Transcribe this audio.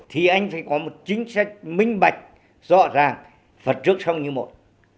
thì anh phải có một chính sách minh bạch rõ ràng vật trước trong như mỗi